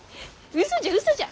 嘘じゃ嘘じゃ。